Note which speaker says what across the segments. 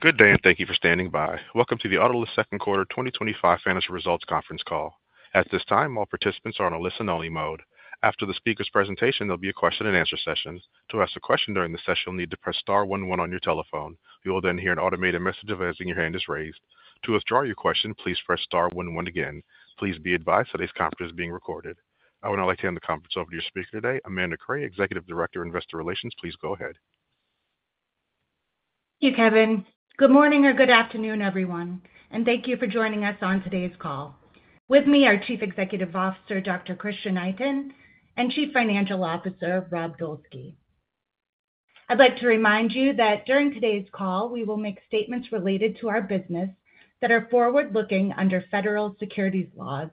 Speaker 1: Good day and thank you for standing by. Welcome to the Autolus Second Quarter 2025 Financial Results Conference call. At this time, all participants are on a listen-only mode. After the speaker's presentation, there'll be a question and answer session. To ask a question during the session, you'll need to press *11 on your telephone. You will then hear an automated message advising your hand is raised. To withdraw your question, please press *11 again. Please be advised today's conference is being recorded. I would now like to hand the conference over to your speaker today, Amanda Cray, Executive Director of Investor Relations. Please go ahead.
Speaker 2: Thank you, Kevin. Good morning or good afternoon, everyone, and thank you for joining us on today's call. With me, our Chief Executive Officer, Dr. Christian Itin, and Chief Financial Officer, Rob Dolski. I'd like to remind you that during today's call, we will make statements related to our business that are forward-looking under federal securities laws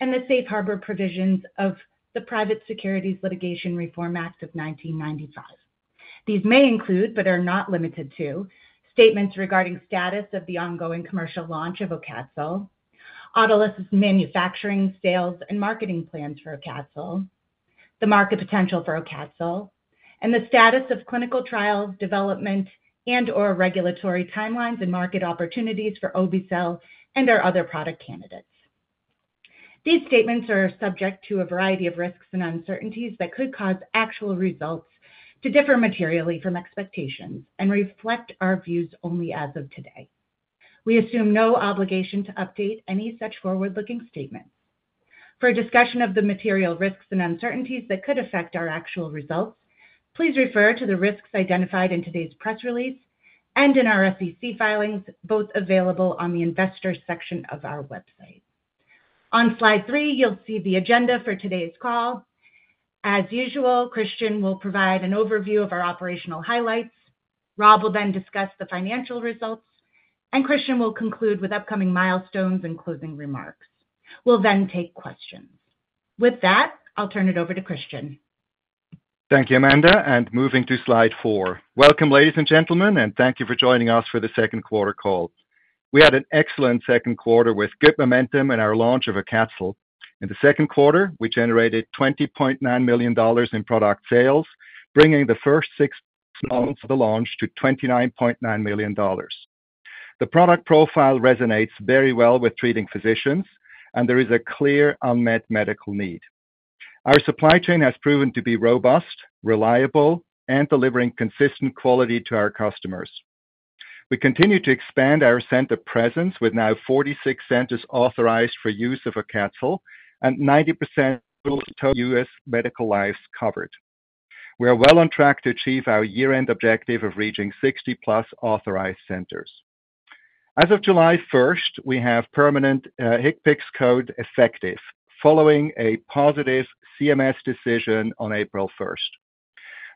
Speaker 2: and the safe harbor provisions of the Private Securities Litigation Reform Act of 1995. These may include, but are not limited to, statements regarding status of the ongoing commercial launch of Aucatzyl, Autolus manufacturing, sales, and marketing plans for Aucatzyl, the market potential for Aucatzyl, and the status of clinical trials, development, and/or regulatory timelines and market opportunities for Obe-cel and our other product candidates. These statements are subject to a variety of risks and uncertainties that could cause actual results to differ materially from expectations and reflect our views only as of today. We assume no obligation to update any such forward-looking statements. For a discussion of the material risks and uncertainties that could affect our actual results, please refer to the risks identified in today's press release and in our SEC filings, both available on the Investors section of our website. On slide three, you'll see the agenda for today's call. As usual, Christian will provide an overview of our operational highlights. Rob will then discuss the financial results, and Christian will conclude with upcoming milestones and closing remarks. We'll then take questions. With that, I'll turn it over to Christian.
Speaker 3: Thank you, Amanda, and moving to slide four. Welcome, ladies and gentlemen, and thank you for joining us for the second quarter call. We had an excellent second quarter with good momentum in our launch of Aucatzyl. In the second quarter, we generated $20.9 million in product sales, bringing the first six months of the launch to $29.9 million. The product profile resonates very well with treating physicians, and there is a clear unmet medical need. Our supply chain has proven to be robust, reliable, and delivering consistent quality to our customers. We continue to expand our center presence with now 46 centers authorized for use of Aucatzyl and 90% of total U.S. medical lives covered. We are well on track to achieve our year-end objective of reaching 60+ authorized centers. As of July 1, we have permanent HCPCS code effective following a positive CMS decision on April 1.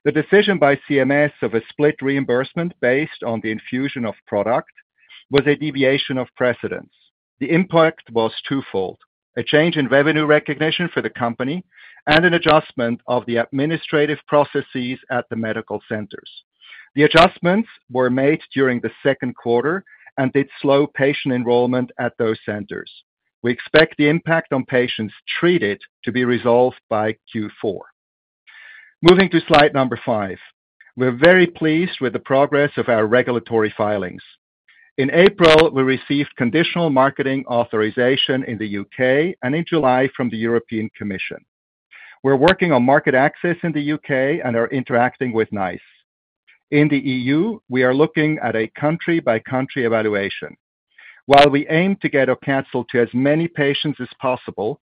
Speaker 3: The decision by CMS of a split reimbursement based on the infusion of product was a deviation of precedent. The impact was twofold: a change in revenue recognition for the company and an adjustment of the administrative processes at the medical centers. The adjustments were made during the second quarter and did slow patient enrollment at those centers. We expect the impact on patients treated to be resolved by Q4. Moving to slide number five, we are very pleased with the progress of our regulatory filings. In April, we received conditional marketing authorization in the U.K. and in July from the European Commission. We're working on market access in the U.K. and are interacting with NICE. In the EU, we are looking at a country-by-country evaluation. While we aim to get Aucatzyl to as many patients as possible,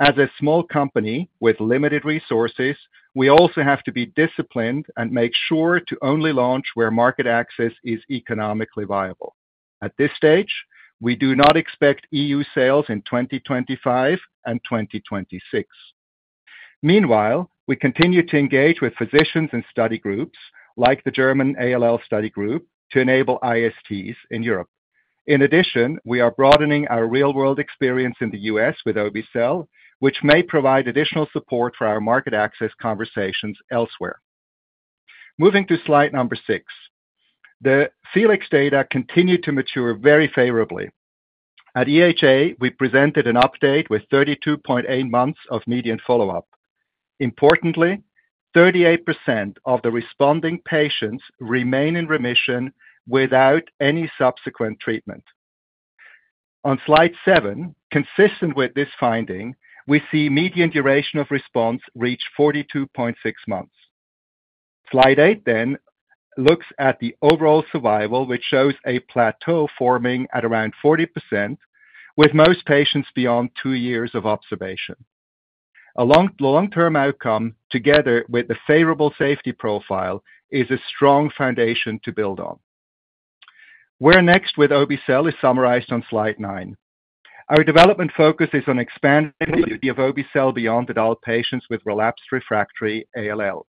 Speaker 3: as a small company with limited resources, we also have to be disciplined and make sure to only launch where market access is economically viable. At this stage, we do not expect EU sales in 2025 and 2026. Meanwhile, we continue to engage with physicians and study groups, like the German ALL study group, to enable ISTs in Europe. In addition, we are broadening our real-world experience in the U.S. with Obe-cel, which may provide additional support for our market access conversations elsewhere. Moving to slide number six, the FELIX data continued to mature very favorably. At EHA, we presented an update with 32.8 months of median follow-up. Importantly, 38% of the responding patients remain in remission without any subsequent treatment. On slide seven, consistent with this finding, we see median duration of response reach 42.6 months. Slide eight then looks at the overall survival, which shows a plateau forming at around 40% with most patients beyond two years of observation. A long-term outcome, together with the favorable safety profile, is a strong foundation to build on. Where next with Obe-cel is summarized on slide nine. Our development focus is on expanding the Obe-cel beyond adult patients with relapsed refractory ALL.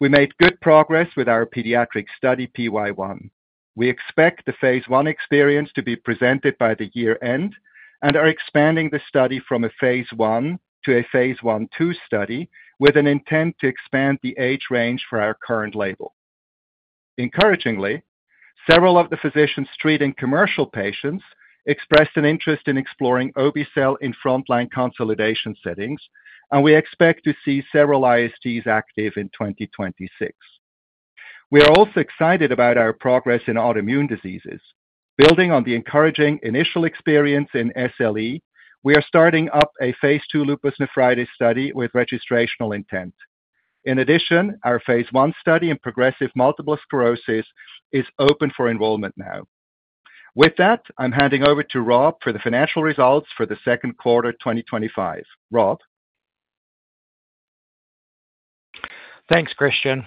Speaker 3: We made good progress with our pediatric study PY1. We expect the phase I experience to be presented by the year end and are expanding the study from a phase I to a phase I II study with an intent to expand the age range for our current label. Encouragingly, several of the physicians treating commercial patients expressed an interest in exploring Obe-cel in frontline consolidation settings, and we expect to see several ISTs active in 2026. We are also excited about our progress in autoimmune diseases. Building on the encouraging initial experience in SLE, we are starting up a phase II lupus nephritis study with registrational intent. In addition, our phase I study in progressive multiple sclerosis is open for enrollment now. With that, I'm handing over to Rob for the financial results for the second quarter 2025. Rob.
Speaker 4: Thanks, Christian.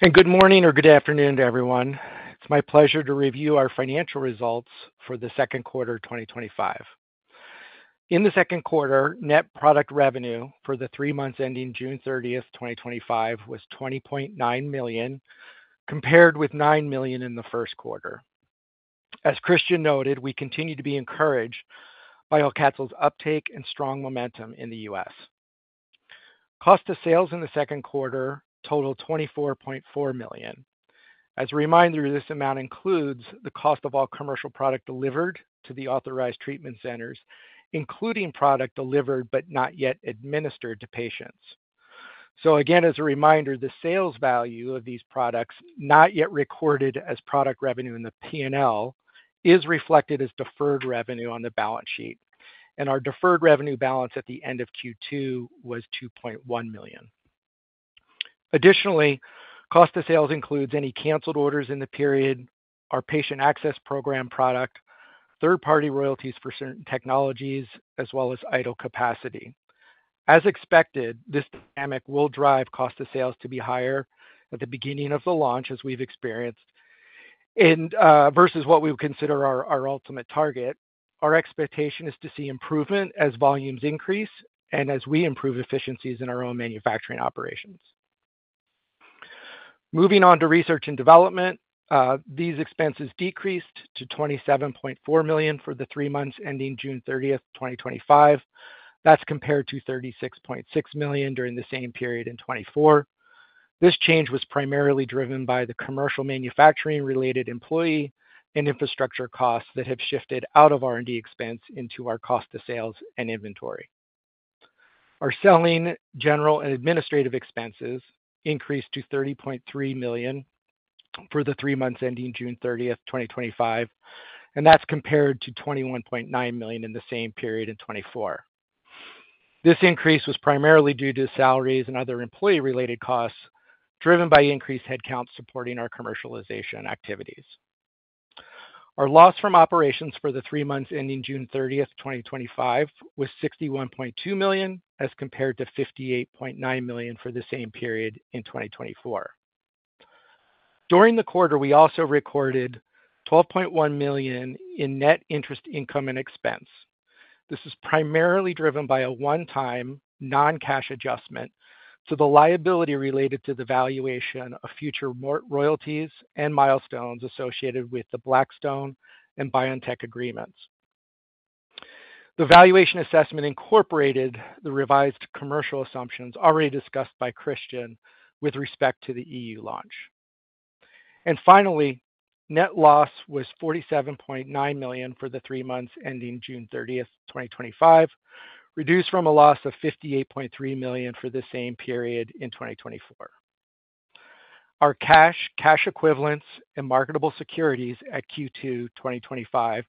Speaker 4: Good morning or good afternoon to everyone. It's my pleasure to review our financial results for the second quarter 2025. In the second quarter, net product revenue for the three months ending June 30, 2025 was $20.9 million, compared with $9 million in the first quarter. As Christian noted, we continue to be encouraged by Aucatzyl's uptake and strong momentum in the U.S. Cost of sales in the second quarter totaled $24.4 million. This amount includes the cost of all commercial products delivered to the authorized treatment centers, including products delivered but not yet administered to patients. As a reminder, the sales value of these products not yet recorded as product revenue in the P&L is reflected as deferred revenue on the balance sheet. Our deferred revenue balance at the end of Q2 was $2.1 million. Additionally, cost of sales includes any canceled orders in the period, our patient access program product, third-party royalties for certain technologies, as well as idle capacity. This dynamic will drive cost of sales to be higher at the beginning of the launch, as we've experienced, versus what we would consider our ultimate target. Our expectation is to see improvement as volumes increase and as we improve efficiencies in our own manufacturing operations. Moving on to research and development, these expenses decreased to $27.4 million for the three months ending June 30, 2025. That's compared to $36.6 million during the same period in 2024. This change was primarily driven by the commercial manufacturing-related employee and infrastructure costs that have shifted out of R&D expense into our cost of sales and inventory. Our selling, general, and administrative expenses increased to $30.3 million for the three months ending June 30, 2025, compared to $21.9 million in the same period in 2024. This increase was primarily due to salaries and other employee-related costs driven by increased headcount supporting our commercialization activities. Our loss from operations for the three months ending June 30, 2025 was $61.2 million as compared to $58.9 million for the same period in 2024. During the quarter, we also recorded $12.1 million in net interest income and expense. This is primarily driven by a one-time non-cash adjustment to the liability related to the valuation of future royalties and milestones associated with the Blackstone and Biontech agreements. The valuation assessment incorporated the revised commercial assumptions already discussed by Christian with respect to the EU launch. Finally, net loss was $47.9 million for the three months ending June 30, 2025, reduced from a loss of $58.3 million for the same period in 2024. Our cash, cash equivalents, and marketable securities at Q2 2025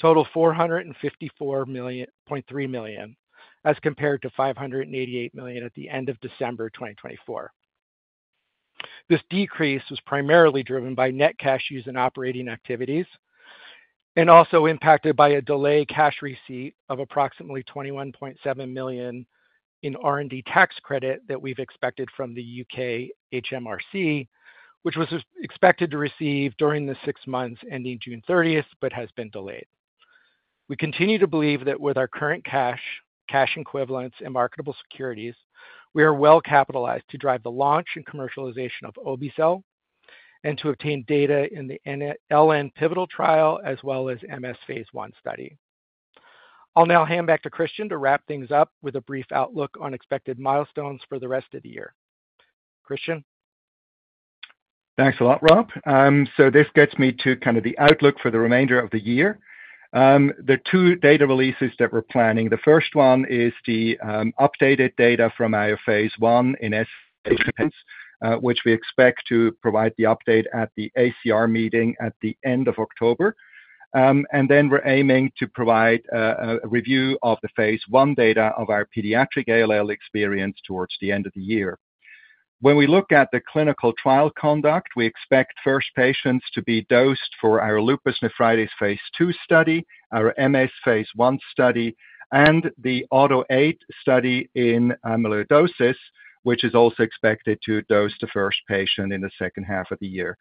Speaker 4: total $454.3 million as compared to $588 million at the end of December 2024. This decrease was primarily driven by net cash use in operating activities and also impacted by a delayed cash receipt of approximately $21.7 million in R&D tax credit that we've expected from the U.K. HMRC, which was expected to be received during the six months ending June 30, but has been delayed. We continue to believe that with our current cash, cash equivalents, and marketable securities, we are well capitalized to drive the launch and commercialization of Obe-cel and to obtain data in the lupus nephritis pivotal trial as well as the progressive multiple sclerosis phase I study. I'll now hand back to Christian to wrap things up with a brief outlook on expected milestones for the rest of the year. Christian.
Speaker 3: Thanks a lot, Rob. This gets me to kind of the outlook for the remainder of the year. The two data releases that we're planning, the first one is the updated data from IO phase I in STFS, which we expect to provide the update at the ACR meeting at the end of October. We're aiming to provide a review of the phase I data of our pediatric ALL experience towards the end of the year. When we look at the clinical trial conduct, we expect first patients to be dosed for our lupus nephritis phase II study, our MS phase I study, and the AUTO8 study in amyloidosis, which is also expected to dose the first patient in the second half of the year.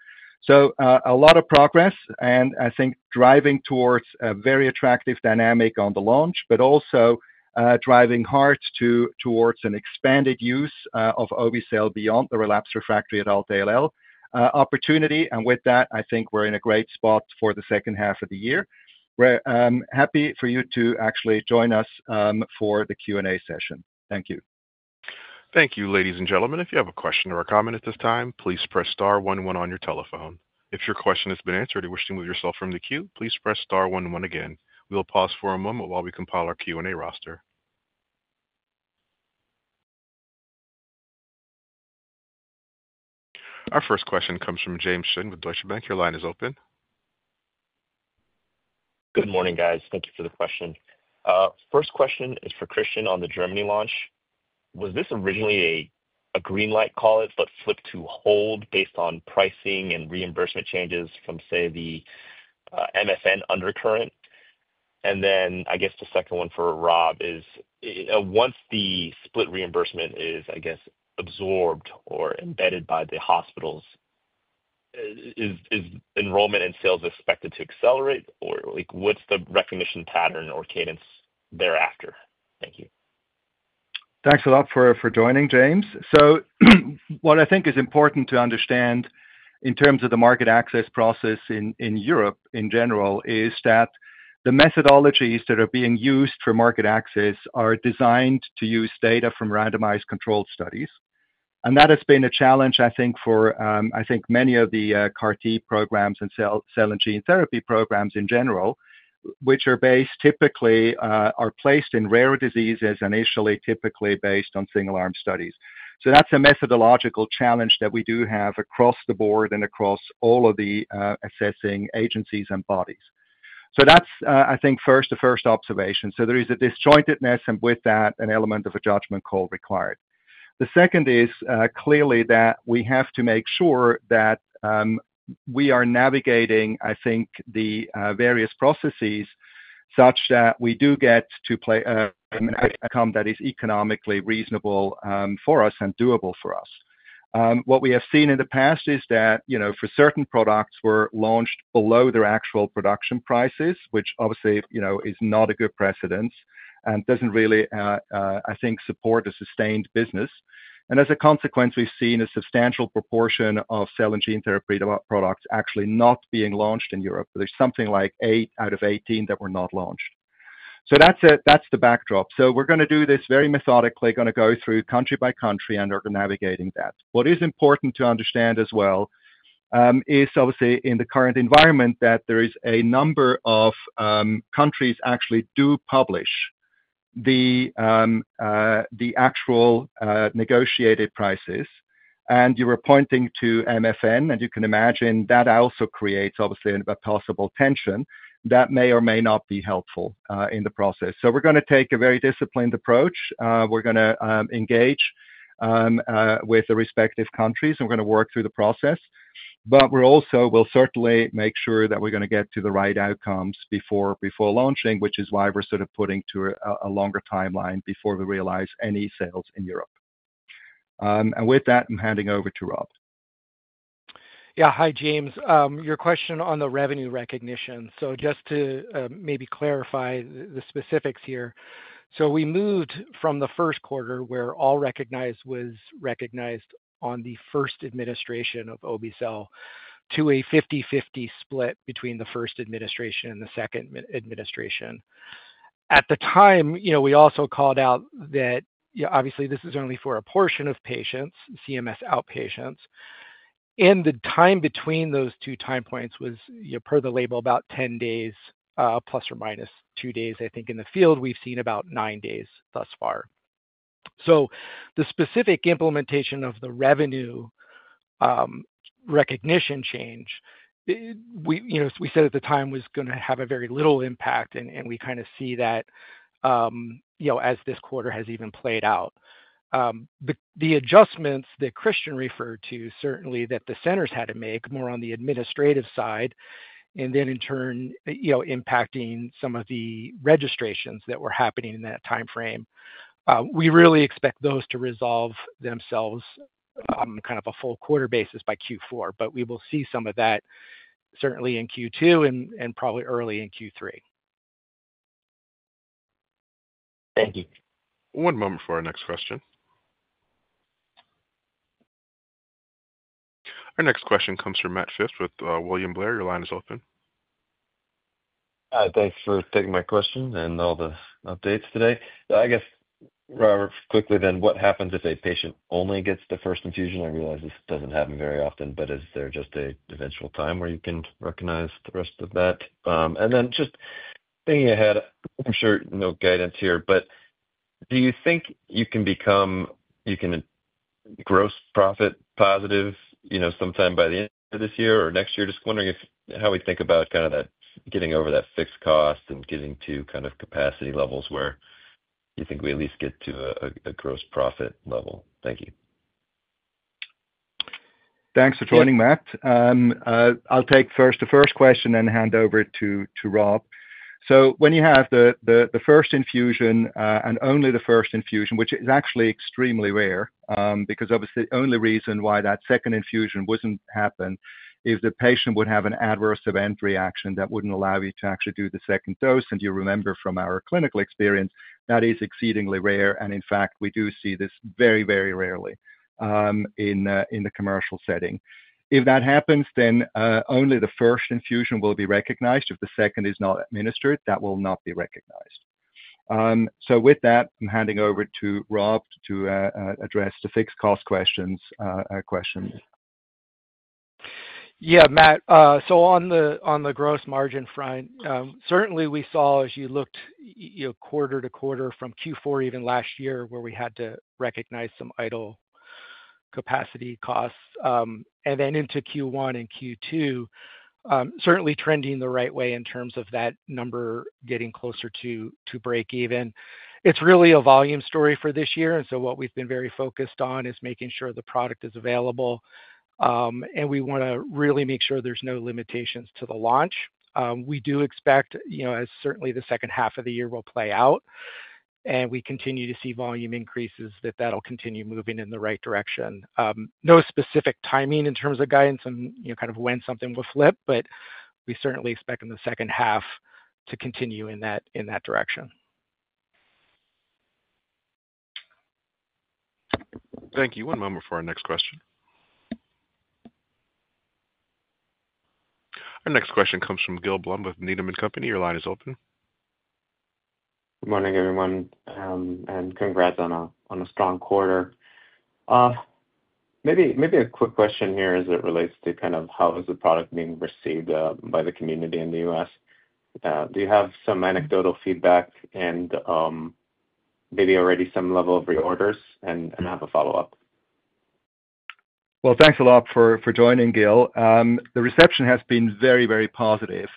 Speaker 3: A lot of progress, and I think driving towards a very attractive dynamic on the launch, but also driving hard towards an expanded use of Obe-cel beyond the relapsed refractory adult ALL opportunity. With that, I think we're in a great spot for the second half of the year. We're happy for you to actually join us for the Q&A session. Thank you.
Speaker 1: Thank you, ladies and gentlemen. If you have a question or a comment at this time, please press *11 on your telephone. If your question has been answered and you wish to move yourself from the queue, please press *11 again. We'll pause for a moment while we compile our Q&A roster. Our first question comes from James Shin with Deutsche Bank. Your line is open.
Speaker 5: Good morning, guys. Thank you for the question. First question is for Christian on the Germany launch. Was this originally a green light, call it, but flipped to hold based on pricing and reimbursement changes from, say, the MSN undercurrent? I guess the second one for Rob is, you know, once the split reimbursement is, I guess, absorbed or embedded by the hospitals, is enrollment and sales expected to accelerate? What's the recognition pattern or cadence thereafter? Thank you.
Speaker 3: Thanks a lot for joining, James. What I think is important to understand in terms of the market access process in Europe in general is that the methodologies that are being used for market access are designed to use data from randomized controlled studies. That has been a challenge, I think, for many of the CAR-T programs and cell and gene therapy programs in general, which are based typically or placed in rare diseases and initially typically based on single-arm studies. That is a methodological challenge that we do have across the board and across all of the assessing agencies and bodies. That is, I think, the first observation. There is a disjointedness and with that, an element of a judgment call required. The second is clearly that we have to make sure that we are navigating the various processes such that we do get to an outcome that is economically reasonable for us and doable for us. What we have seen in the past is that, for certain products, we are launched below their actual production prices, which obviously is not a good precedent and does not really, I think, support a sustained business. As a consequence, we have seen a substantial proportion of cell and gene therapy products actually not being launched in Europe. There is something like 8 out of 18 that were not launched. That is the backdrop. We are going to do this very methodically, going to go through country by country and are navigating that. What is important to understand as well is obviously in the current environment that there is a number of countries that actually do publish the actual negotiated prices. You were pointing to MFN, and you can imagine that also creates a possible tension that may or may not be helpful in the process. We are going to take a very disciplined approach. We are going to engage with the respective countries, and we are going to work through the process. We also will certainly make sure that we are going to get to the right outcomes before launching, which is why we are putting to a longer timeline before we realize any sales in Europe. With that, I am handing over to Rob.
Speaker 4: Yeah. Hi, James. Your question on the revenue recognition. Just to maybe clarify the specifics here. We moved from the first quarter where all recognized was recognized on the first administration of Obe-cel to a 50/50 split between the first administration and the second administration. At the time, we also called out that, obviously, this is only for a portion of patients, CMS outpatients. The time between those two time points was, per the label, about 10 days plus or minus two days. I think in the field we've seen about nine days thus far. The specific implementation of the revenue recognition change, we said at the time, was going to have a very little impact. We kind of see that as this quarter has even played out. The adjustments that Christian referred to, certainly that the centers had to make more on the administrative side, and then in turn, impacting some of the registrations that were happening in that timeframe. We really expect those to resolve themselves on kind of a full quarter basis by Q4. We will see some of that certainly in Q2 and probably early in Q3.
Speaker 5: Thank you.
Speaker 1: One moment for our next question. Our next question comes from Matt Phipps with William Blair. Your line is open.
Speaker 6: Hi. Thanks for taking my question and all the updates today. I guess, Rob, quickly then, what happens if a patient only gets the first infusion? I realize this doesn't happen very often, but is there just an eventual time where you can recognize the rest of that? Just thinking ahead, I'm sure no guidance here, but do you think you can become, you can gross profit positive, you know, sometime by the end of this year or next year? Just wondering if how we think about kind of that getting over that fixed cost and getting to kind of capacity levels where you think we at least get to a gross profit level? Thank you.
Speaker 3: Thanks for joining, Matt. I'll take the first question and hand over to Rob. When you have the first infusion and only the first infusion, which is actually extremely rare, because obviously the only reason why that second infusion wouldn't happen is the patient would have an adverse event reaction that wouldn't allow you to actually do the second dose. You remember from our clinical experience, that is exceedingly rare. In fact, we do see this very, very rarely in the commercial setting. If that happens, then only the first infusion will be recognized. If the second is not administered, that will not be recognized. With that, I'm handing over to Rob to address the fixed cost questions.
Speaker 4: Yeah, Matt. On the gross margin front, certainly we saw, as you looked, quarter to quarter from Q4, even last year, where we had to recognize some idle capacity costs. Into Q1 and Q2, certainly trending the right way in terms of that number getting closer to break even. It's really a volume story for this year. What we've been very focused on is making sure the product is available. We want to really make sure there's no limitations to the launch. We do expect, as certainly the second half of the year will play out, and we continue to see volume increases, that that'll continue moving in the right direction. No specific timing in terms of guidance on when something will flip, but we certainly expect in the second half to continue in that direction.
Speaker 1: Thank you. One moment for our next question. Our next question comes from Gil Blum with Needham & Company. Your line is open.
Speaker 7: Good morning, everyone. Congrats on a strong quarter. Maybe a quick question here as it relates to kind of how is the product being received by the community in the U.S. Do you have some anecdotal feedback and maybe already some level of reorders and have a follow-up?
Speaker 3: Thanks a lot for joining, Gil. The reception has been very, very positive.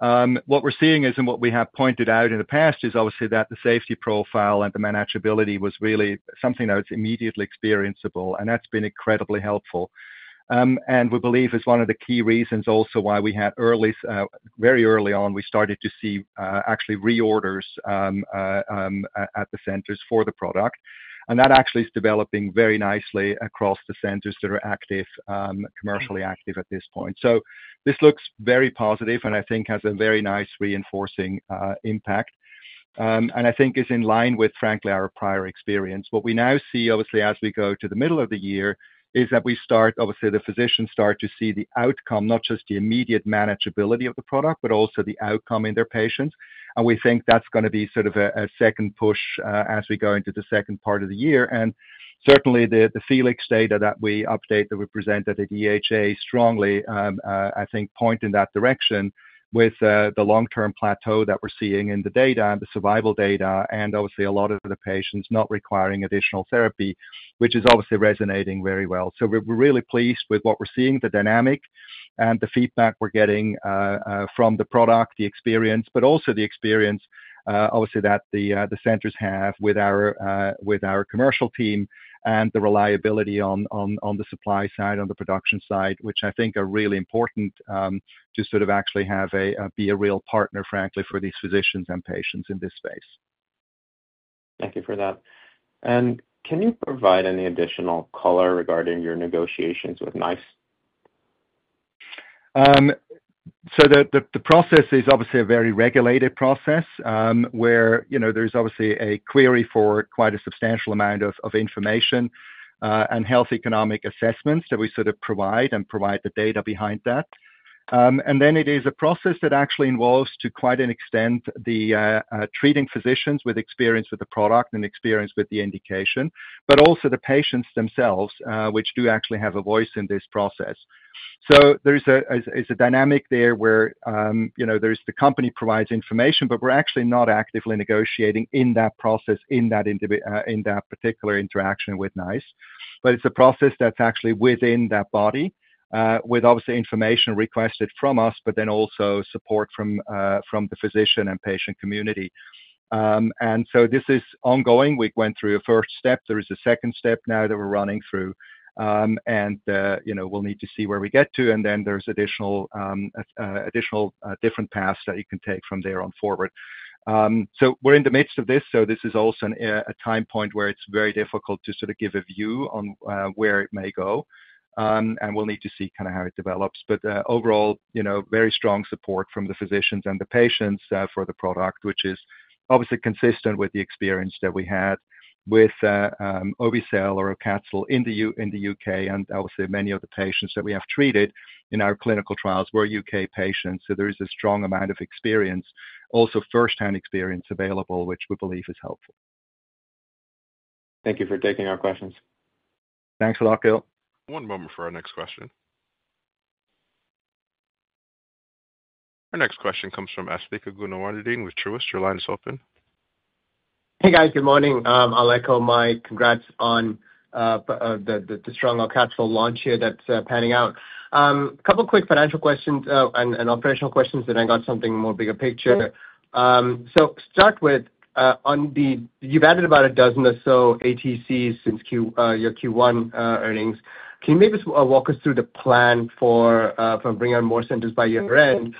Speaker 3: What we're seeing is, and what we have pointed out in the past, is obviously that the safety profile and the manageability was really something that was immediately experienceable. That's been incredibly helpful, and we believe is one of the key reasons also why we had early, very early on, we started to see actually reorders at the centers for the product. That actually is developing very nicely across the centers that are active, commercially active at this point. This looks very positive, and I think has a very nice reinforcing impact. I think is in line with, frankly, our prior experience. What we now see, obviously, as we go to the middle of the year, is that we start, obviously, the physicians start to see the outcome, not just the immediate manageability of the product, but also the outcome in their patients. We think that's going to be sort of a second push as we go into the second part of the year. Certainly, the FELIX data that we update, that we presented at EHA, strongly, I think, point in that direction with the long-term plateau that we're seeing in the data and the survival data. Obviously, a lot of the patients not requiring additional therapy, which is obviously resonating very well. We're really pleased with what we're seeing, the dynamic and the feedback we're getting from the product, the experience, but also the experience, obviously, that the centers have with our commercial team and the reliability on the supply side, on the production side, which I think are really important to sort of actually be a real partner, frankly, for these physicians and patients in this space.
Speaker 7: Thank you for that. Can you provide any additional color regarding your negotiations with NICE?
Speaker 3: The process is obviously a very regulated process where there's obviously a query for quite a substantial amount of information and health economic assessments that we sort of provide and provide the data behind that. It is a process that actually involves, to quite an extent, the treating physicians with experience with the product and experience with the indication, but also the patients themselves, which do actually have a voice in this process. There is a dynamic there where the company provides information, but we're actually not actively negotiating in that process, in that particular interaction with NICE. It's a process that's actually within that body with obviously information requested from us, but then also support from the physician and patient community. This is ongoing. We went through a first step. There is a second step now that we're running through. We'll need to see where we get to. There are additional different paths that you can take from there on forward. We're in the midst of this. This is also a time point where it's very difficult to sort of give a view on where it may go. We'll need to see kind of how it develops. Overall, very strong support from the physicians and the patients for the product, which is obviously consistent with the experience that we had with Obe-cel or Aucatzyl in the U.K.. Obviously, many of the patients that we have treated in our clinical trials were U.K. patients. There is a strong amount of experience, also firsthand experience available, which we believe is helpful.
Speaker 7: Thank you for taking our questions.
Speaker 3: Thanks a lot, Gil.
Speaker 1: One moment for our next question. Our next question comes from Asthika Goonewardene with Truist. Your line is open.
Speaker 8: Hey, guys. Good morning. I'll echo my congrats on the strong Aucatzyl launch here that's panning out. A couple of quick financial questions and operational questions, then I got something more bigger picture. You’ve added about a dozen or so ATCs since your Q1 earnings. Can you maybe walk us through the plan for bringing on more centers by year end?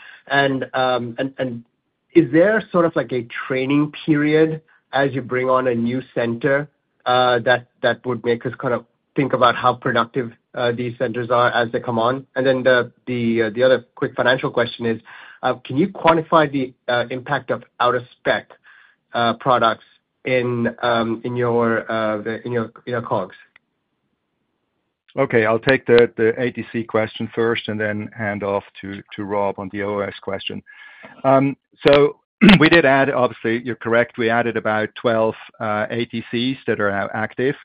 Speaker 8: Is there sort of like a training period as you bring on a new center that would make us kind of think about how productive these centers are as they come on? The other quick financial question is, can you quantify the impact of out-of-spec products in your calls?
Speaker 3: Okay. I'll take the ATC question first and then hand off to Rob on the OES question. We did add, obviously, you're correct, we added about 12 ATCs that are now active.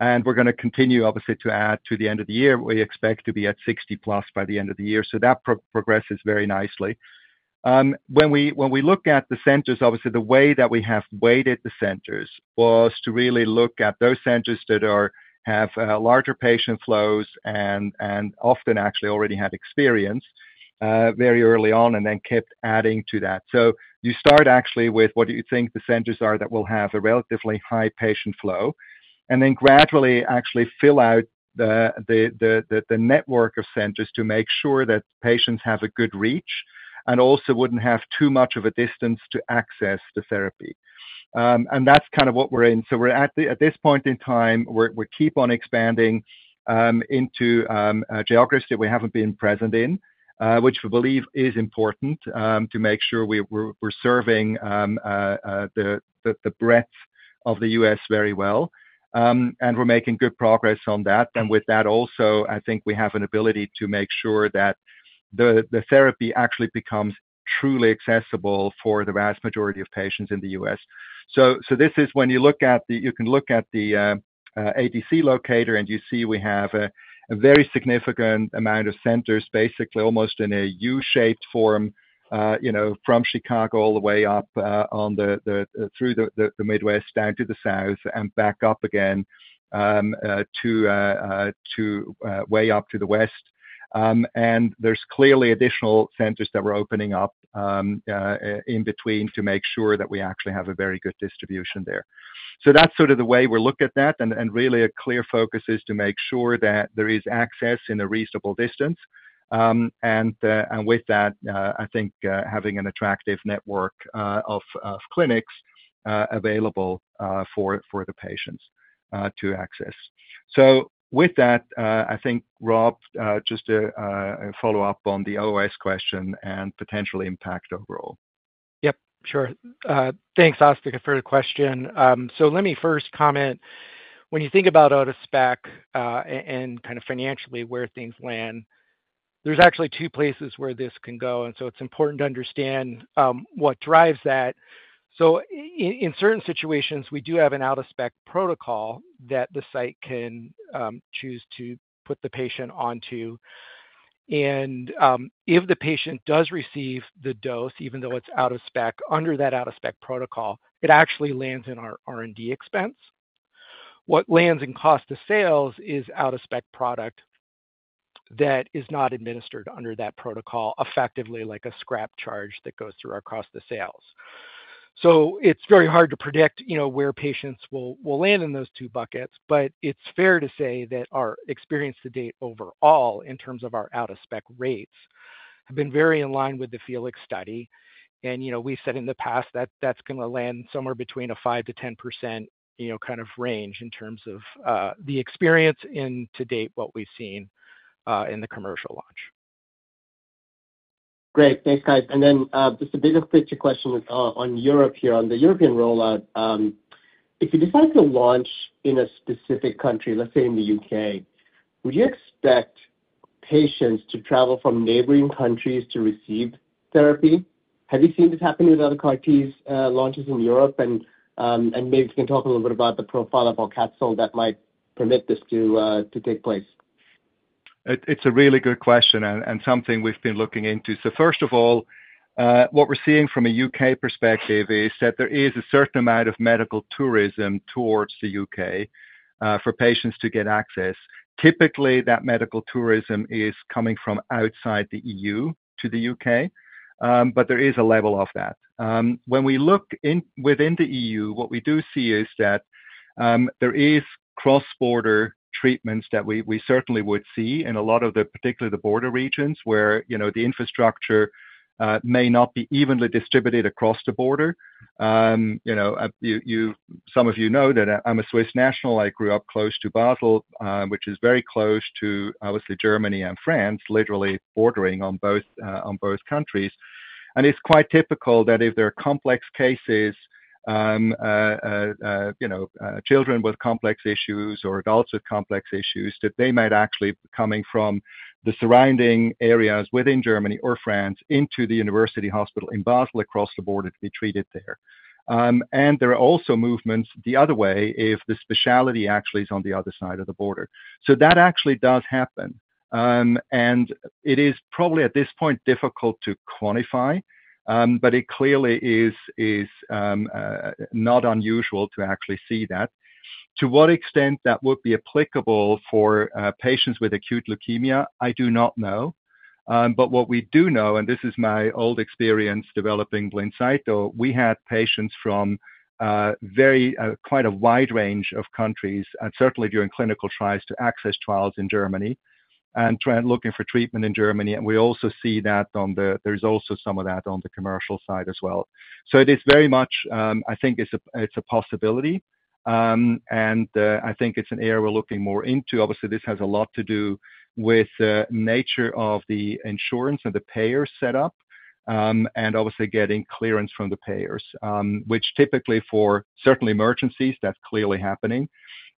Speaker 3: We're going to continue, obviously, to add to the end of the year. We expect to be at 60+ by the end of the year. That progresses very nicely. When we look at the centers, the way that we have weighted the centers was to really look at those centers that have larger patient flows and often actually already have experience very early on and then kept adding to that. You start actually with what you think the centers are that will have a relatively high patient flow and then gradually actually fill out the network of centers to make sure that patients have a good reach and also wouldn't have too much of a distance to access the therapy. That's kind of what we're in. At this point in time, we keep on expanding into geographies that we haven't been present in, which we believe is important to make sure we're serving the breadth of the U.S. very well. We're making good progress on that. With that, also, I think we have an ability to make sure that the therapy actually becomes truly accessible for the vast majority of patients in the U.S. When you look at the ATC locator, you see we have a very significant amount of centers, basically almost in a U-shaped form, from Chicago all the way up through the Midwest down to the South and back up again to way up to the West. There are clearly additional centers that we're opening up in between to make sure that we actually have a very good distribution there. That's the way we look at that. A clear focus is to make sure that there is access in a reasonable distance. With that, I think having an attractive network of clinics available for the patients to access. With that, I think Rob, just to follow up on the OES question and potential impact overall.
Speaker 4: Yep, sure. Thanks, Asthika, for the question. Let me first comment. When you think about out-of-spec and kind of financially where things land, there's actually two places where this can go. It's important to understand what drives that. In certain situations, we do have an out-of-spec protocol that the site can choose to put the patient onto. If the patient does receive the dose, even though it's out-of-spec under that out-of-spec protocol, it actually lands in our R&D expense. What lands in cost of sales is out-of-spec product that is not administered under that protocol effectively, like a scrap charge that goes through our cost of sales. It's very hard to predict where patients will land in those two buckets. It's fair to say that our experience to date overall in terms of our out-of-spec rates have been very in line with the FELIX study. We've said in the past that that's going to land somewhere between a 5% - 10% range in terms of the experience and to date what we've seen in the commercial launch.
Speaker 8: Great. Thanks, guys. Just a bit of a quick question on Europe here on the European rollout. If you decide to launch in a specific country, let's say in the U.K., would you expect patients to travel from neighboring countries to receive therapy? Have you seen this happening with other CAR-Ts launches in Europe? Maybe you can talk a little bit about the profile of Aucatzyl that might permit this to take place.
Speaker 3: It's a really good question and something we've been looking into. First of all, what we're seeing from a U.K. perspective is that there is a certain amount of medical tourism towards the U.K. for patients to get access. Typically, that medical tourism is coming from outside the EU to the U.K., but there is a level of that. When we look within the EU, what we do see is that there are cross-border treatments that we certainly would see in a lot of the, particularly the border regions where the infrastructure may not be evenly distributed across the border. Some of you know that I'm a Swiss national. I grew up close to Basel, which is very close to Germany and France, literally bordering on both countries. It's quite typical that if there are complex cases, children with complex issues or adults with complex issues, that they might actually be coming from the surrounding areas within Germany or France into the university hospital in Basel across the border to be treated there. There are also movements the other way if the specialty actually is on the other side of the border. That actually does happen. It is probably at this point difficult to quantify, but it clearly is not unusual to actually see that. To what extent that would be applicable for patients with acute leukemia, I do not know. What we do know, and this is my old experience developing Blincyto, we had patients from quite a wide range of countries and certainly during clinical trials to access trials in Germany and looking for treatment in Germany. We also see that on the, there's also some of that on the commercial side as well. It is very much, I think it's a possibility. I think it's an area we're looking more into. Obviously, this has a lot to do with the nature of the insurance and the payers set up and obviously getting clearance from the payers, which typically for certain emergencies that's clearly happening.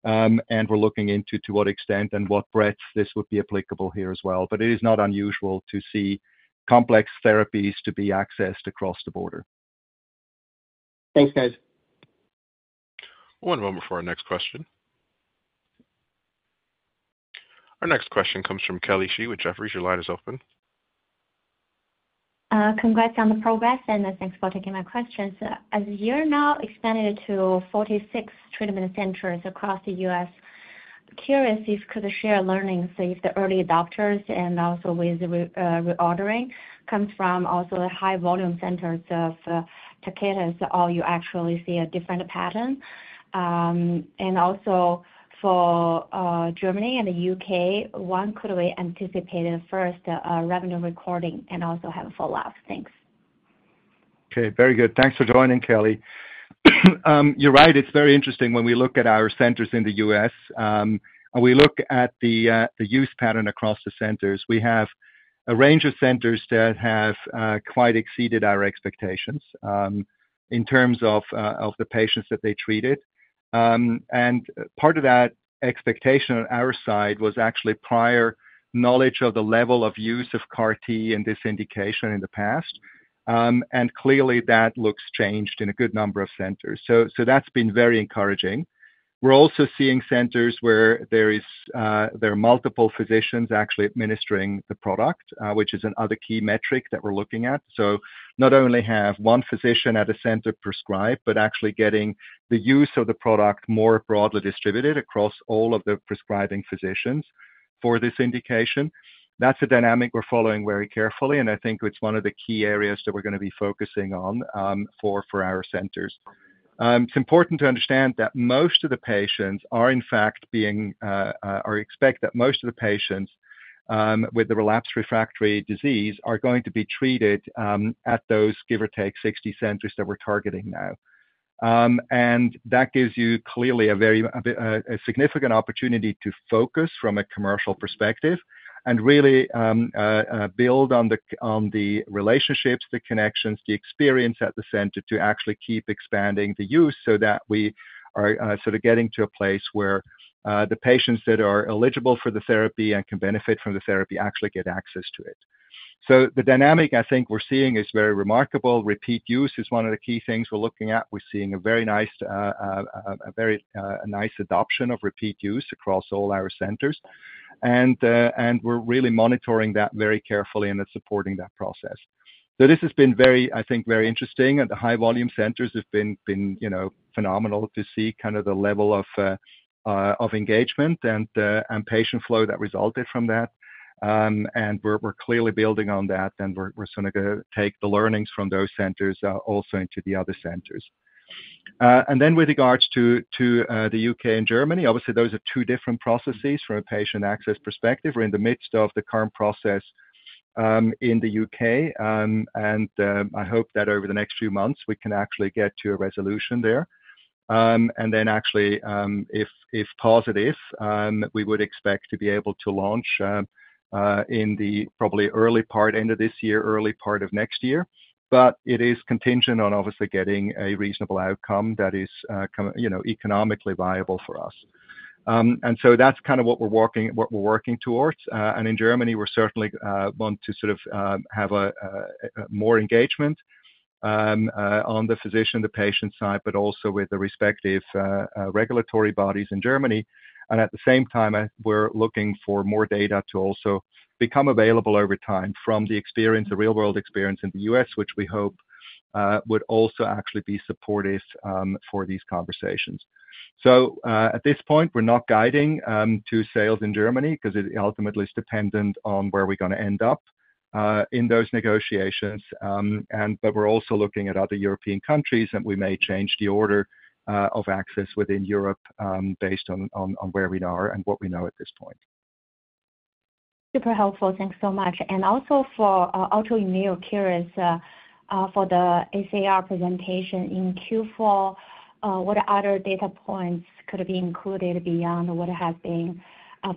Speaker 3: We're looking into to what extent and what breadth this would be applicable here as well. It is not unusual to see complex therapies to be accessed across the border.
Speaker 8: Thanks, guys.
Speaker 1: One moment for our next question. Our next question comes from Kelly Shee with Jefferies. Your line is open.
Speaker 9: Congrats on the progress and thanks for taking my questions. As you're now expanding to 46 treatment centers across the U.S., I'm curious if you could share learnings. If the early adopters and also with the reordering comes from also a high volume center of Takata, are you actually seeing a different pattern? For Germany and the U.K., when could we anticipate the first revenue recording and also have a falloff? Thanks.
Speaker 3: Okay. Very good. Thanks for joining, Kelly. You're right. It's very interesting when we look at our centers in the U.S. and we look at the use pattern across the centers. We have a range of centers that have quite exceeded our expectations in terms of the patients that they treated. Part of that expectation on our side was actually prior knowledge of the level of use of CAR-T in this indication in the past. Clearly, that looks changed in a good number of centers. That's been very encouraging. We're also seeing centers where there are multiple physicians actually administering the product, which is another key metric that we're looking at. Not only have one physician at a center prescribe, but actually getting the use of the product more broadly distributed across all of the prescribing physicians for this indication. That's a dynamic we're following very carefully. I think it's one of the key areas that we're going to be focusing on for our centers. It's important to understand that most of the patients are in fact being, or expect that most of the patients with the relapsed refractory disease are going to be treated at those, give or take, 60 centers that we're targeting now. That gives you clearly a very significant opportunity to focus from a commercial perspective and really build on the relationships, the connections, the experience at the center to actually keep expanding the use so that we are sort of getting to a place where the patients that are eligible for the therapy and can benefit from the therapy actually get access to it. The dynamic I think we're seeing is very remarkable. Repeat use is one of the key things we're looking at. We're seeing a very nice adoption of repeat use across all our centers. We're really monitoring that very carefully and supporting that process. This has been very, I think, very interesting. The high volume centers have been phenomenal to see kind of the level of engagement and patient flow that resulted from that. We're clearly building on that. We're going to take the learnings from those centers also into the other centers. With regards to the U.K. and Germany, obviously those are two different processes from a patient access perspective. We're in the midst of the current process in the U.K.. I hope that over the next few months we can actually get to a resolution there. If positive, we would expect to be able to launch in the probably early part, end of this year, early part of next year. It is contingent on obviously getting a reasonable outcome that is economically viable for us. That is kind of what we're working towards. In Germany, we certainly want to sort of have more engagement on the physician, the patient side, but also with the respective regulatory bodies in Germany. At the same time, we're looking for more data to also become available over time from the experience, the real-world experience in the U.S., which we hope would also actually be supportive for these conversations. At this point, we're not guiding to sales in Germany because it ultimately is dependent on where we're going to end up in those negotiations. We're also looking at other European countries and we may change the order of access within Europe based on where we are and what we know at this point.
Speaker 9: Super helpful. Thanks so much. For autoimmune, curious for the ACR presentation in Q4, what other data points could be included beyond what has been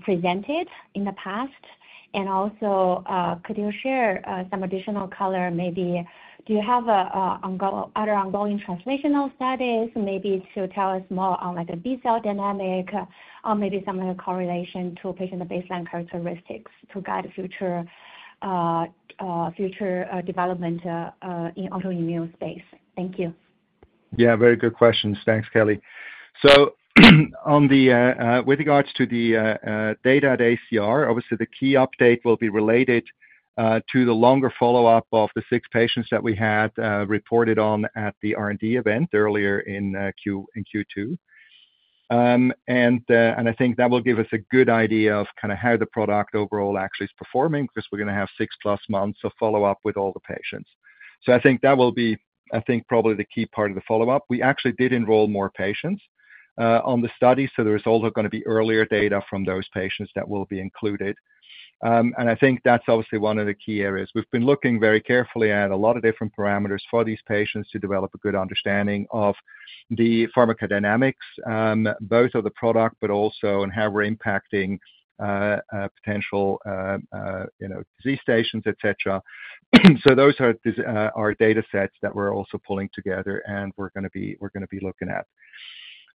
Speaker 9: presented in the past? Could you share some additional color? Do you have other ongoing translational studies to tell us more on a B cell dynamic or maybe some correlation to patient baseline characteristics to guide future development in the autoimmune space? Thank you.
Speaker 3: Yeah, very good questions. Thanks, Kelly. With regards to the data at ACR, obviously the key update will be related to the longer follow-up of the six patients that we had reported on at the R&D event earlier in Q2. I think that will give us a good idea of kind of how the product overall actually is performing because we're going to have six plus months of follow-up with all the patients. I think that will be, I think, probably the key part of the follow-up. We actually did enroll more patients on the study, so there is also going to be earlier data from those patients that will be included. I think that's obviously one of the key areas. We've been looking very carefully at a lot of different parameters for these patients to develop a good understanding of the pharmacodynamics, both of the product, but also in how we're impacting potential, you know, disease stations, et cetera. Those are our data sets that we're also pulling together and we're going to be looking at.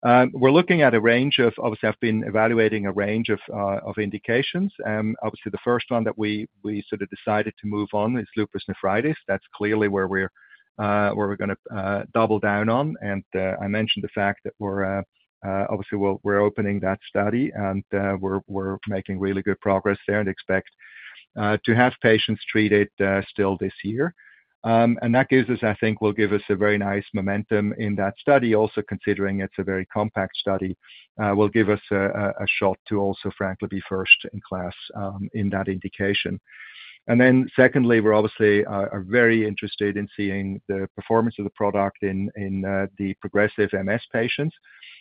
Speaker 3: We're looking at a range of, obviously, I've been evaluating a range of indications. Obviously, the first one that we sort of decided to move on is lupus nephritis. That's clearly where we're going to double down on. I mentioned the fact that we're obviously opening that study and we're making really good progress there and expect to have patients treated still this year. That gives us, I think, will give us a very nice momentum in that study, also considering it's a very compact study, will give us a shot to also, frankly, be first in class in that indication. Secondly, we're obviously very interested in seeing the performance of the product in the progressive MS patients.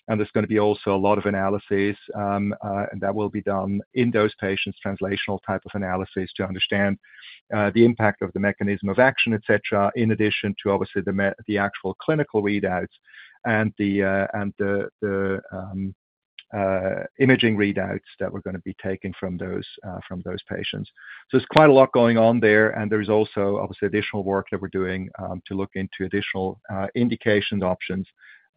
Speaker 3: There's going to be also a lot of analyses that will be done in those patients, translational type of analyses to understand the impact of the mechanism of action, et cetera, in addition to obviously the actual clinical readouts and the imaging readouts that we're going to be taking from those patients. There's quite a lot going on there. There's also obviously additional work that we're doing to look into additional indication options.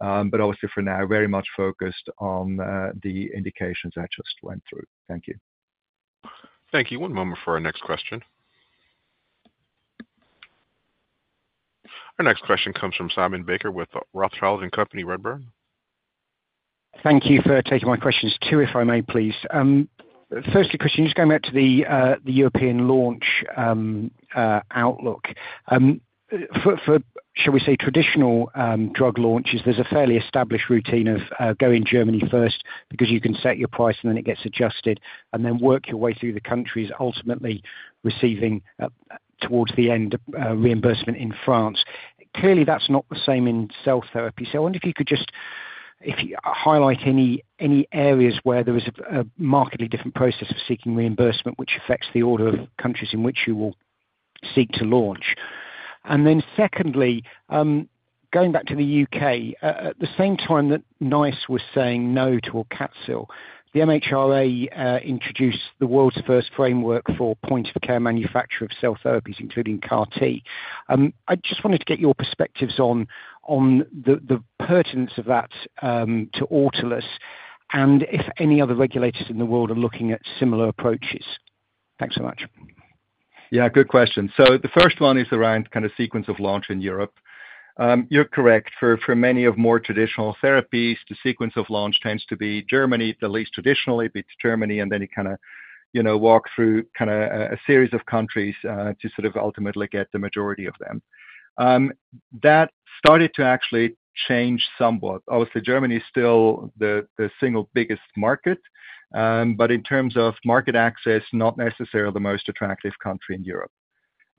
Speaker 3: For now, very much focused on the indications I just went through. Thank you.
Speaker 1: Thank you. One moment for our next question. Our next question comes from Simon Baker with Rothschild & Co Redburn.
Speaker 10: Thank you for taking my questions too, if I may, please. Firstly, Christian, just going back to the European launch outlook. For, shall we say, traditional drug launches, there's a fairly established routine of going Germany first because you can set your price and then it gets adjusted and then work your way through the countries, ultimately receiving towards the end reimbursement in France. Clearly, that's not the same in cell therapy. I wonder if you could just highlight any areas where there is a markedly different process of seeking reimbursement, which affects the order of countries in which you will seek to launch. Secondly, going back to the U.K., at the same time that NICE was saying no to Aucatzyl, the MHRA introduced the world's first framework for point-of-care manufacture of cell therapies, including CAR-T. I just wanted to get your perspectives on the pertinence of that to Autolus and if any other regulators in the world are looking at similar approaches. Thanks so much.
Speaker 3: Yeah, good question. The first one is around kind of sequence of launch in Europe. You're correct. For many of more traditional therapies, the sequence of launch tends to be Germany, the least traditionally, be it Germany, and then you kind of, you know, walk through kind of a series of countries to sort of ultimately get the majority of them. That started to actually change somewhat. Obviously, Germany is still the single biggest market. In terms of market access, not necessarily the most attractive country in Europe.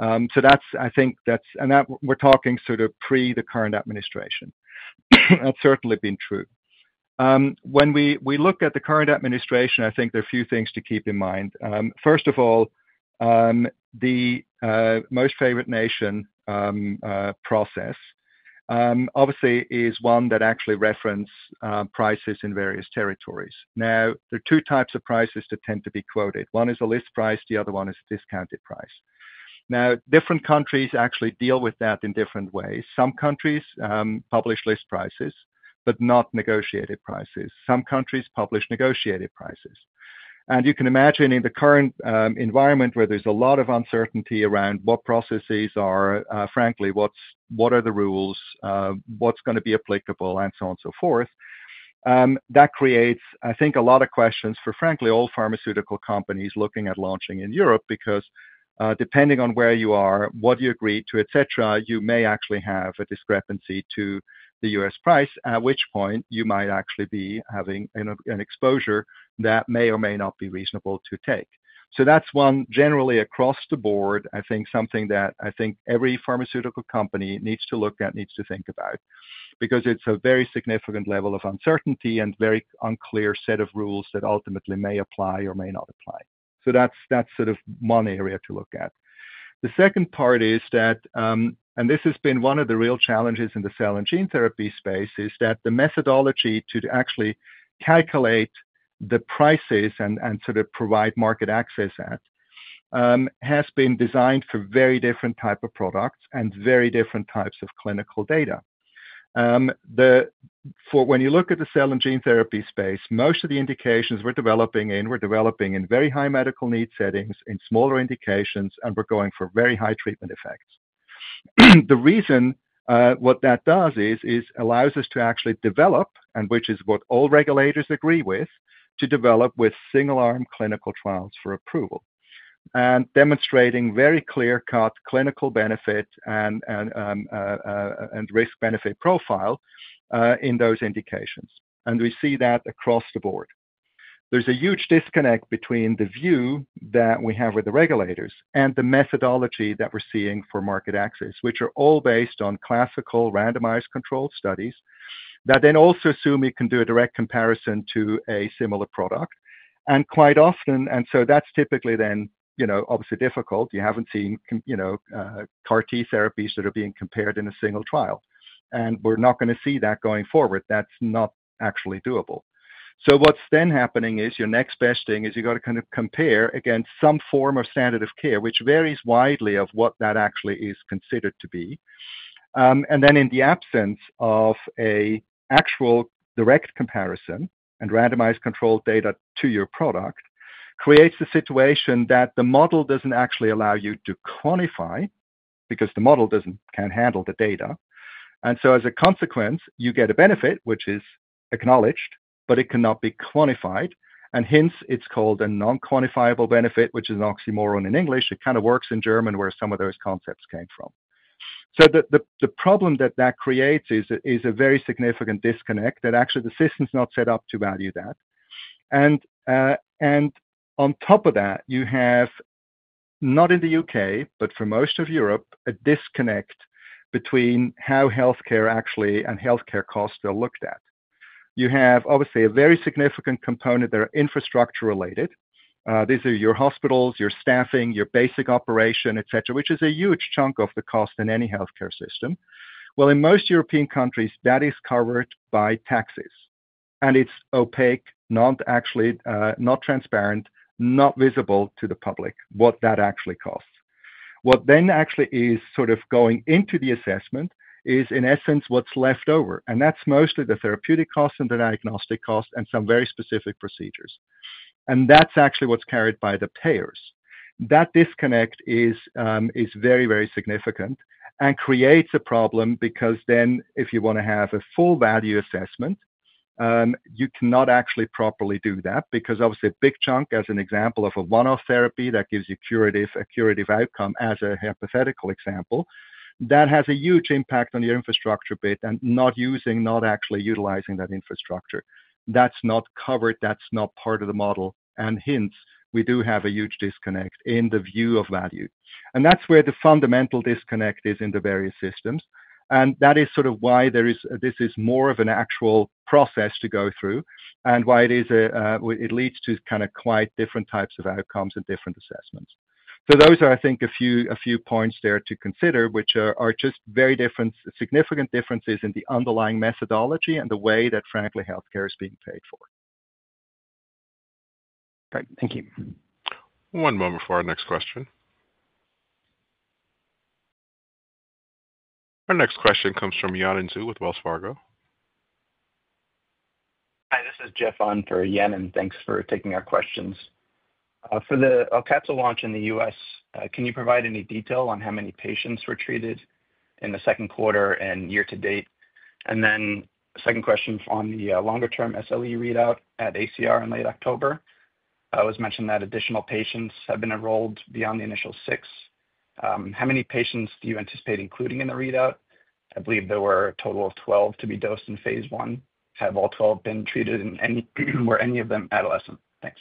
Speaker 3: I think that's, and we're talking sort of pre the current administration. That's certainly been true. When we look at the current administration, I think there are a few things to keep in mind. First of all, the most favorite nation process obviously is one that actually references prices in various territories. There are two types of prices that tend to be quoted. One is a list price. The other one is a discounted price. Different countries actually deal with that in different ways. Some countries publish list prices, but not negotiated prices. Some countries publish negotiated prices. You can imagine in the current environment where there's a lot of uncertainty around what processes are, frankly, what are the rules, what's going to be applicable, and so on and so forth. That creates, I think, a lot of questions for, frankly, all pharmaceutical companies looking at launching in Europe because depending on where you are, what you agreed to, et cetera, you may actually have a discrepancy to the U.S. price, at which point you might actually be having an exposure that may or may not be reasonable to take. That's one generally across the board, I think, something that I think every pharmaceutical company needs to look at, needs to think about because it's a very significant level of uncertainty and a very unclear set of rules that ultimately may apply or may not apply. That's sort of one area to look at. The second part is that, and this has been one of the real challenges in the cell and gene therapy space, is that the methodology to actually calculate the prices and sort of provide market access at has been designed for very different types of products and very different types of clinical data. When you look at the cell and gene therapy space, most of the indications we're developing in are very high medical need settings, in smaller indications, and we're going for very high treatment effects. The reason what that does is it allows us to actually develop, and which is what all regulators agree with, to develop with single-arm clinical trials for approval and demonstrating very clear-cut clinical benefit and risk-benefit profile in those indications. We see that across the board. There's a huge disconnect between the view that we have with the regulators and the methodology that we're seeing for market access, which are all based on classical randomized controlled studies that also assume you can do a direct comparison to a similar product. Quite often, that's typically obviously difficult. You haven't seen CAR-T therapies that are being compared in a single trial. We're not going to see that going forward. That's not actually doable. What's then happening is your next best thing is you've got to kind of compare against some form of standard of care, which varies widely in what that actually is considered to be. In the absence of an actual direct comparison and randomized controlled data to your product, it creates a situation that the model doesn't actually allow you to quantify because the model can't handle the data. As a consequence, you get a benefit, which is acknowledged, but it cannot be quantified. Hence, it's called a non-quantifiable benefit, which is an oxymoron in English. It kind of works in German where some of those concepts came from. The problem that that creates is a very significant disconnect that actually the system's not set up to value that. On top of that, you have, not in the U.K., but for most of Europe, a disconnect between how healthcare actually and healthcare costs are looked at. You have obviously a very significant component that are infrastructure related. These are your hospitals, your staffing, your basic operation, etc., which is a huge chunk of the cost in any healthcare system. In most European countries, that is covered by taxes. It's opaque, not actually transparent, not visible to the public what that actually costs. What then actually is sort of going into the assessment is, in essence, what's left over. That's mostly the therapeutic cost and the diagnostic cost and some very specific procedures. That's actually what's carried by the payers. That disconnect is very, very significant and creates a problem because if you want to have a full value assessment, you cannot actually properly do that because obviously a big chunk, as an example of a one-off therapy that gives you a curative outcome, as a hypothetical example, has a huge impact on your infrastructure bit and not using, not actually utilizing that infrastructure. That's not covered. That's not part of the model. Hence, we do have a huge disconnect in the view of value. That is where the fundamental disconnect is in the various systems. That is sort of why this is more of an actual process to go through and why it leads to quite different types of outcomes and different assessments. Those are, I think, a few points there to consider, which are just very different, significant differences in the underlying methodology and the way that, frankly, healthcare is being paid for.
Speaker 10: Great. Thank you.
Speaker 1: One moment for our next question. Our next question comes from Yanan Zhu with Wells Fargo. Hi. This is Jeff on for Yanan and thanks for taking our questions. For the Aucatzyl launch in the U.S., can you provide any detail on how many patients were treated in the second quarter and year to date? The second question on the longer-term SLE readout at ACR in late October. It was mentioned that additional patients have been enrolled beyond the initial six. How many patients do you anticipate including in the readout? I believe there were a total of 12 to be dosed in phase I. Have all 12 been treated and were any of them adolescent? Thanks.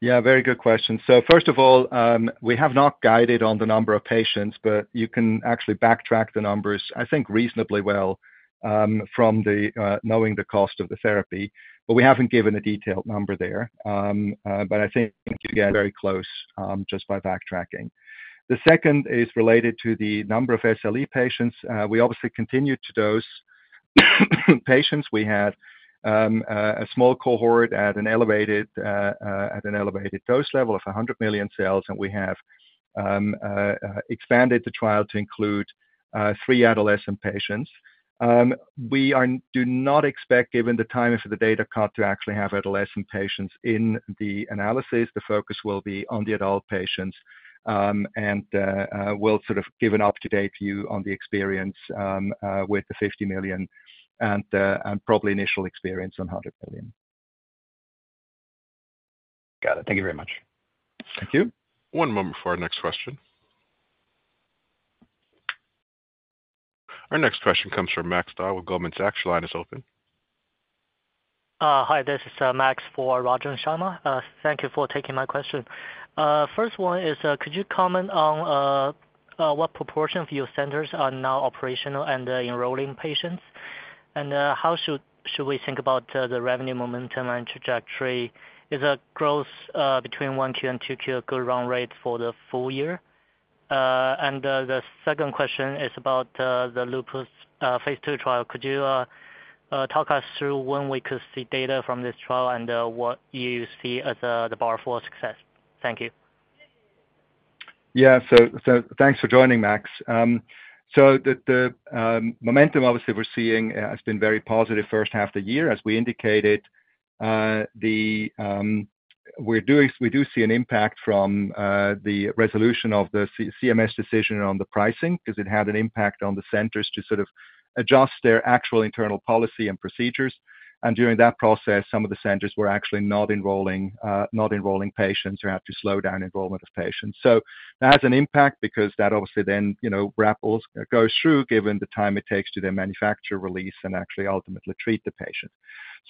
Speaker 3: Yeah, very good question. First of all, we have not guided on the number of patients, but you can actually backtrack the numbers, I think, reasonably well from knowing the cost of the therapy. We haven't given a detailed number there. I think you get very close just by backtracking. The second is related to the number of SLE patients. We obviously continue to dose patients. We had a small cohort at an elevated dose level of 100 million cells, and we have expanded the trial to include three adolescent patients. We do not expect, given the timing for the data cut, to actually have adolescent patients in the analysis. The focus will be on the adult patients, and we'll sort of give an up-to-date view on the experience with the 50 million and probably initial experience on 100 million. Got it. Thank you very much. Thank you.
Speaker 1: One moment for our next question. Our next question comes from Max Dahl with Goldman Sachs. Your line is open.
Speaker 11: Hi. This is Max for Rajan Sharma. Thank you for taking my question. First one is, could you comment on what proportion of your centers are now operational and enrolling patients? How should we think about the revenue momentum and trajectory? Is the growth between 1Q and 2Q a good run rate for the full year? The second question is about the lupus phase II trial. Could you talk us through when we could see data from this trial and what you see as the bar for success? Thank you.
Speaker 3: Yeah. Thanks for joining, Max. The momentum obviously we're seeing has been very positive first half of the year. As we indicated, we do see an impact from the resolution of the CMS decision on the pricing because it had an impact on the centers to sort of adjust their actual internal policy and procedures. During that process, some of the centers were actually not enrolling patients or had to slow down enrollment of patients. That has an impact because that obviously then, you know, ripples goes through given the time it takes to then manufacture, release, and actually ultimately treat the patient.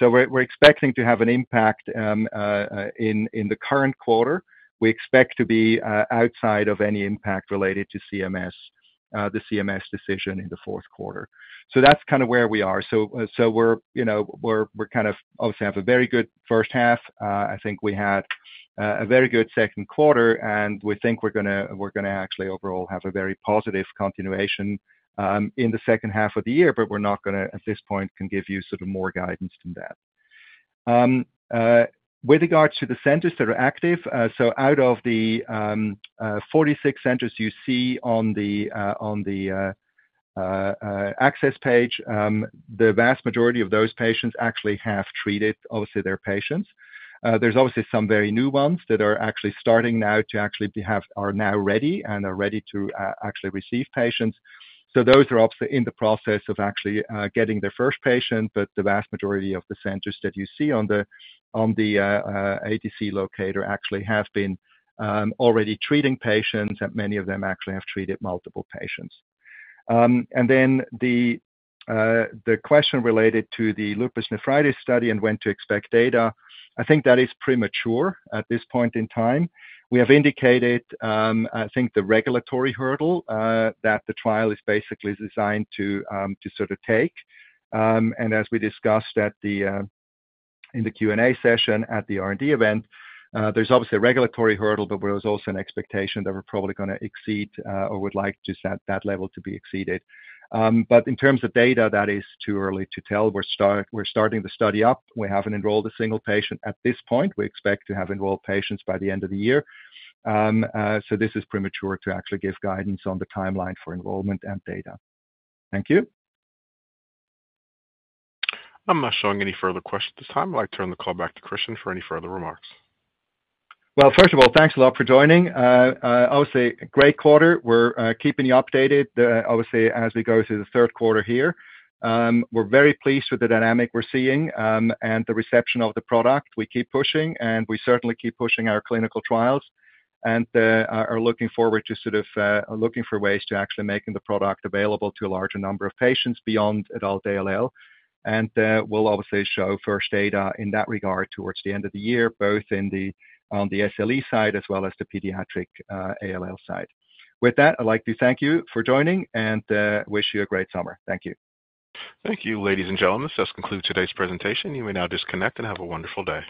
Speaker 3: We're expecting to have an impact in the current quarter. We expect to be outside of any impact related to the CMS decision in the fourth quarter. That's kind of where we are. We obviously have a very good first half. I think we had a very good second quarter. We think we're going to actually overall have a very positive continuation in the second half of the year. We're not going to, at this point, give you sort of more guidance than that. With regards to the centers that are active, out of the 46 centers you see on the access page, the vast majority of those patients actually have treated, obviously, their patients. There are some very new ones that are actually starting now to actually be ready and are ready to actually receive patients. Those are in the process of actually getting their first patient. The vast majority of the centers that you see on the ATC locator actually have been already treating patients. Many of them actually have treated multiple patients. The question related to the lupus nephritis study and when to expect data, I think that is premature at this point in time. We have indicated, I think, the regulatory hurdle that the trial is basically designed to sort of take. As we discussed in the Q&A session at the R&D event, there's obviously a regulatory hurdle, but there was also an expectation that we're probably going to exceed or would like to set that level to be exceeded. In terms of data, that is too early to tell. We're starting the study up. We haven't enrolled a single patient at this point. We expect to have enrolled patients by the end of the year. This is premature to actually give guidance on the timeline for enrollment and data. Thank you.
Speaker 1: I'm not showing any further questions at this time. I'd like to turn the call back to Christian for any further remarks.
Speaker 3: First of all, thanks a lot for joining. Obviously, great quarter. We're keeping you updated, obviously, as we go through the third quarter here. We're very pleased with the dynamic we're seeing and the reception of the product. We keep pushing, and we certainly keep pushing our clinical trials and are looking forward to sort of looking for ways to actually make the product available to a larger number of patients beyond Adult ALL. We'll obviously show first data in that regard towards the end of the year, both on the SLE side as well as the pediatric ALL side. With that, I'd like to thank you for joining and wish you a great summer. Thank you.
Speaker 1: Thank you, ladies and gentlemen. This does conclude today's presentation. You may now disconnect and have a wonderful day.